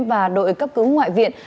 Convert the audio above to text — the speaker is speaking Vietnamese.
và đội cấp cứu ngoại viện